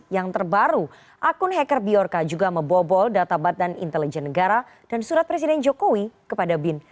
yang terbaru akun hacker bjorka juga membobol data badan intelijen negara dan surat presiden jokowi kepada bin